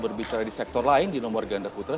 berbicara di sektor lain di nomor ganda putra